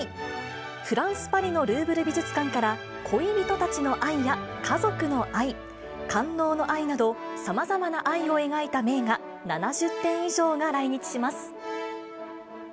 フランス・パリのルーヴル美術館から、恋人たちの愛や、家族の愛、官能の愛など、さまざまな愛を描いた名画７０点以上が来日します。